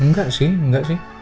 enggak sih enggak sih